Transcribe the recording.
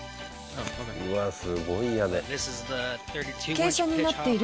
うわっすごい屋根。